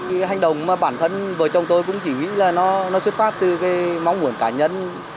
cái hành động mà bản thân vợ chồng tôi cũng chỉ nghĩ là nó xuất phát từ cái mong muốn cá nhân